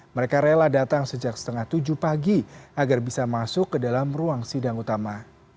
mereka rela datang sejak setengah tujuh pagi agar bisa masuk ke dalam ruang sidang utama